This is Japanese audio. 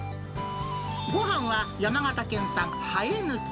ごはんは、山形県産はえぬき。